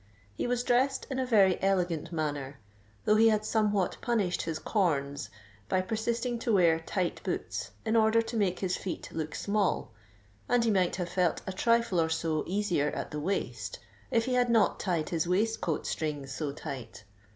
He was dressed in a very elegant manner; though he had somewhat punished his corns by persisting to wear tight boots in order to make his feet look small, and he might have felt a trifle or so easier at the waist if he had not tied his waistcoat strings so tight.